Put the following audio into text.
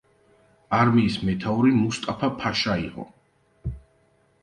არმიის მეთაური მუსტაფა-ფაშა იყო.